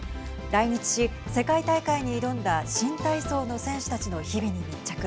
来日し世界大会に挑んだ新体操の選手たちの日々に密着。